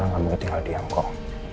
kamu udah tinggal diam kok